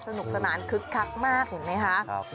สนุกสนานคึกคักมากเห็นไหมคะ